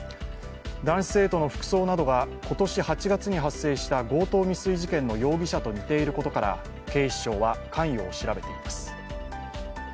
男子生徒の服装などが今年８月に発生した強盗未遂事件の容疑者と似ていることから警視庁は関与を調べています。